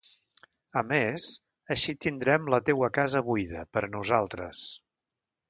A més, així tindrem la teua casa buida, per a nosaltres.